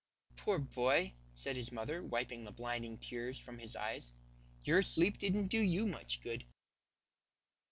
"Poor boy," said his mother, wiping the blinding tears from his eyes, "your sleep didn't do you much good."